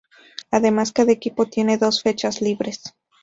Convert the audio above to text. Además cada equipo tiene dos fechas libres.